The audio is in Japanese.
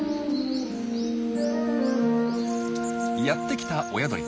やってきた親鳥。